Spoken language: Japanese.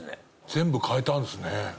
全部変えたんですね。